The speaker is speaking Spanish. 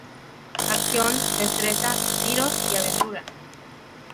Acción, destreza, tiros y aventura.